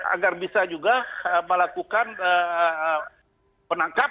agar bisa juga melakukan penangkapan